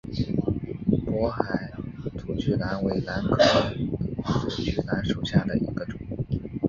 勐海隔距兰为兰科隔距兰属下的一个种。